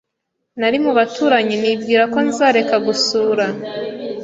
Nari mu baturanyi nibwira ko nzareka gusura.